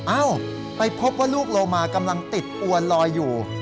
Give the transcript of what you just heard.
เอ้าไปพบว่าลูกโลมากำลังติดอวนลอยอยู่